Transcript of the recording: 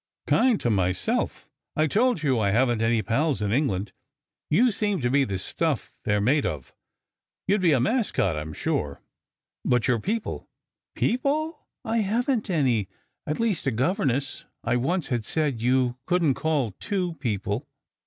"Kind to myself. I told you I hadn t any pals in 22 SECRET HISTORY England. You seem to be the stuff they re made of. You d be a mascot/ I m sure. But your people " "People? I haven t any. At least, a governess I once had said you couldn t call two, * people.